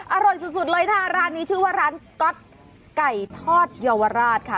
อร่อยสุดเลยนะคะร้านนี้ชื่อว่าร้านก๊อตไก่ทอดเยาวราชค่ะ